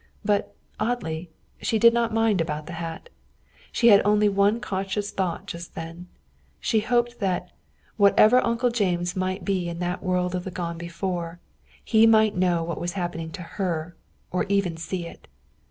But, oddly, she did not mind about the hat. She had only one conscious thought just then. She hoped that, wherever Uncle James might be in that world of the gone before, he might know what was happening to her or even see it.